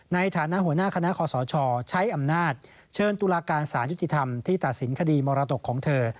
ในฐานะหัวหน้าคณะคอสชใช้อำนาจเชิญตุลาการสารยุติธรรมที่ตัดสินคดีมรดกของเธอ